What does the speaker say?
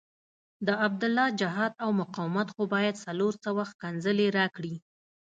د عبدالله جهاد او مقاومت خو باید څلور سوه ښکنځلې راکړي.